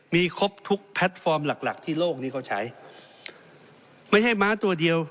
มีครบทุกแพลตฟอร์มหลักหลักที่โลกนี้เขาใช้ไม่ใช่ม้าตัวเดียว